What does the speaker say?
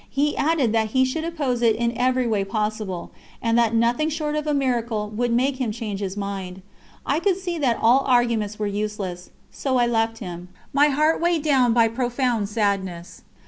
He added that he should oppose it in every way possible, and that nothing short of a miracle would make him change his mind. I could see that all arguments were useless, so I left him, my heart weighed down by profound sadness.